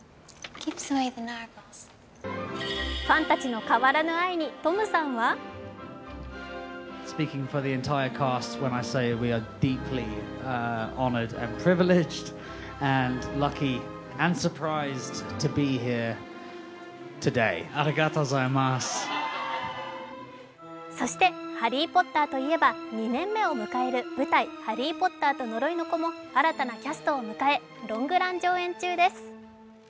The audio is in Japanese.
ファンたちの変わらぬ愛にトムさんはそして「ハリー・ポッター」といえば２年目を迎える舞台「ハリー・ポッターと呪いの子」も新たなキャストを迎えロングラン上映中です。